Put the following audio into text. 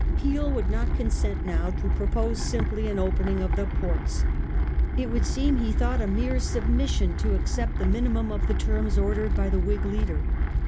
Peel would not consent now to propose simply an opening of the ports. It would seem, he thought, a mere submission, to accept the mini mum of the terms ordered by the Whig leader.